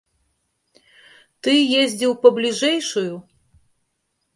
Ты ездзіў па бліжэйшую?